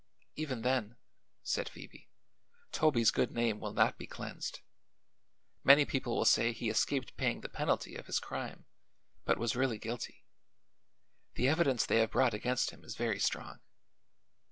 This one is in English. "Even then," said Phoebe, "Toby's good name will not be cleansed. Many people will say he escaped paying the penalty of his crime, but was really guilty. The evidence they have brought against him is very strong."